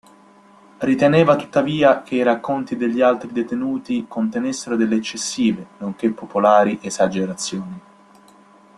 Riteneva tuttavia che i racconti degli altri detenuti contenessero delle eccessive, nonché popolari, esagerazioni.